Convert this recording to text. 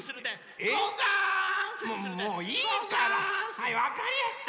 はいわかりやした！